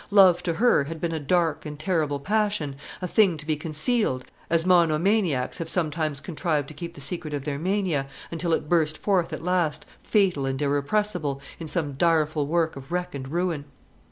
Love to her had been a dark and terrible passion, a thing to be concealed, as monomaniacs have sometimes contrived to keep the secret of their mania, until it burst forth at last, fatal and irrepressible, in some direful work of wreck and ruin.